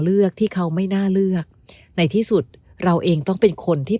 เลือกที่เขาไม่น่าเลือกในที่สุดเราเองต้องเป็นคนที่